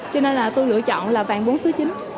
cho nên là tôi lựa chọn là vàng bốn số chín